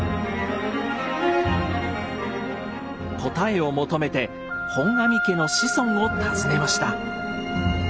答えを求めて本阿弥家の子孫を訪ねました。